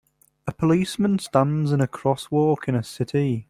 A policeman stands in a crosswalk in a city.